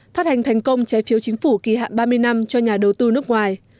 phát hành thành công trái phiếu chính phủ kỳ hạn ba mươi năm cho nhà đầu tư nước ngoài